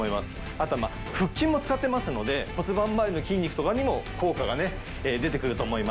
あと腹筋も使ってますので骨盤周りの筋肉とかにも効果が出て来ると思います。